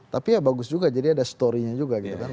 tapi ya bagus juga jadi ada story nya juga gitu kan